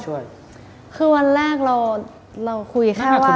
ถ้ามพูดวันแรกเราคุยแค่ว่า